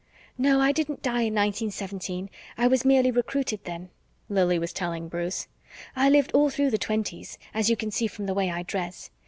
"No, I didn't die in 1917 I was merely Recruited then," Lili was telling Bruce. "I lived all through the Twenties, as you can see from the way I dress.